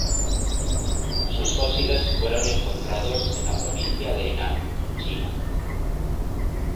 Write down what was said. Sus fósiles fueron encontrados en la provincia de Henan, China.